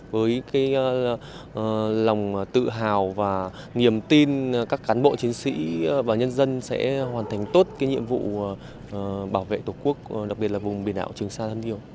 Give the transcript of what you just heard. với cái lòng tự hào và niềm tin các cán bộ chiến sĩ và nhân dân sẽ hoàn thành tốt cái nhiệm vụ bảo vệ tổ quốc đặc biệt là vùng biển đảo trường sa thân yêu